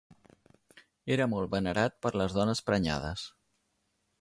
Era molt venerat per les dones prenyades.